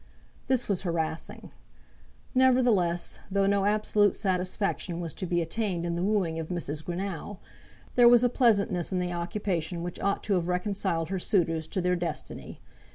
This was harassing. Nevertheless, though no absolute satisfaction was to be attained in the wooing of Mrs. Greenow, there was a pleasantness in the occupation which ought to have reconciled her suitors to their destiny.